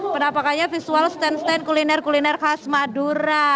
penampakannya visual stand stand kuliner kuliner khas madura